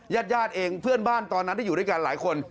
ญาติญาติเองเพื่อนบ้านตอนนั้นที่อยู่ด้วยกันหลายคน